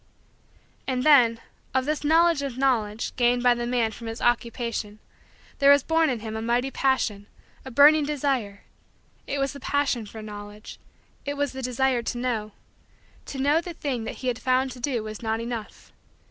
And then, of this knowledge of Knowledge gained by the man from his Occupation, there was born in him a mighty passion, a burning desire. It was the passion for Knowledge. It was the desire to know. To know the thing that he had found to do was not enough.